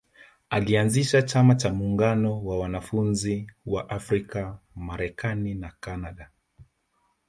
Alianzisha Chama cha muungano wa wanafunzi wa Afrika Marekani na Kanada